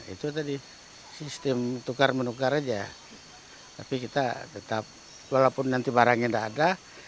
itu tadi sistem tukar menukar aja tapi kita tetap walaupun nanti barangnya tidak ada